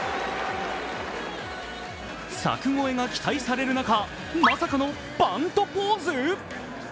柵越えが期待される中、まさかのバントポーズ？